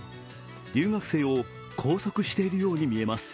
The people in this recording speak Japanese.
留学生を拘束しているように見えます。